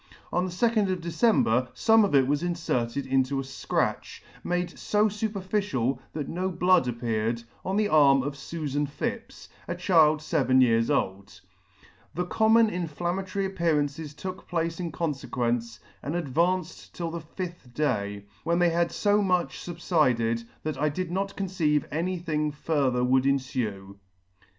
On the 2d of December fome of it was inferted into a fcratch, made fo fuperficial, that no blood O 2 appeared, [ 100 ] appeared, on the arm of Sufan Phipps, a child feven years old. The common inflammatory appearances took place in confequence, and advanced till the fifth day, when they had fo much fubfided, that I did not conceive any thing further would enfue.